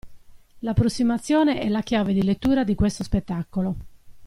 L'approssimazione è la chiave di lettura di questo spettacolo.